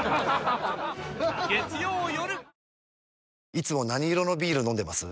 いつも何色のビール飲んでます？